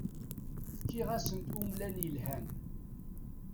Fkiɣ-asent umlan yelhan.